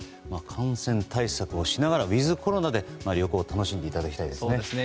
感染対策をしながらウィズコロナで旅行を楽しんでいただきたいですね。